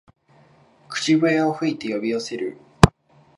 口笛を吹いて呼び寄せる